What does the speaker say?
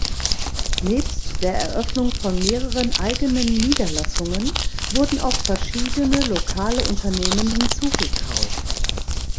Nebst der Eröffnung von mehreren eigenen Niederlassungen wurden auch verschiedene lokale Unternehmen hinzugekauft.